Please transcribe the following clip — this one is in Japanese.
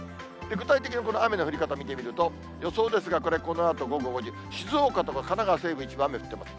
具体的にこの雨の降り方見てみると、予想ですが、これ、このあと午後５時、静岡とか神奈川西部、一部雨降ってます。